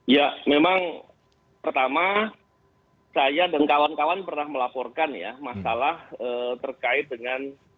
ya memang pertama saya dan kawan kawan pernah melaporkan ya masalah terkait dengan